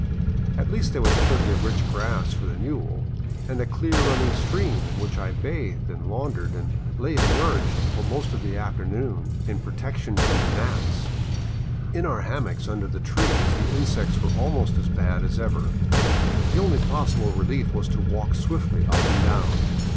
At least there was plenty of rich grass for the mule, and a clear running stream in which I bathed and laundered and lay emerged most of the afternoon in protection from the gnats. In our hammocks under the trees the insects were almost as bad as ever. The only possible relief was to walk swiftly up and down.